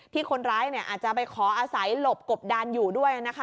ที่คนร้ายอาจจะไปขออาศัยหลบกบดันอยู่ด้วยนะคะ